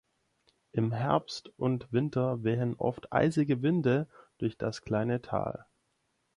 Im Herbst und Winter wehen oft eisige Winde durch das kleine Tal.